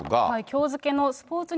きょう付けのスポーツ